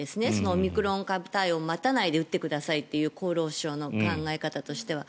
オミクロン株対応を待たないで打ってくださいという厚労省の考え方としては。